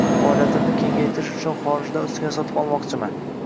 Faoliyatimni kengaytirish uchun xorijdan uskuna sotib olmoqchiman.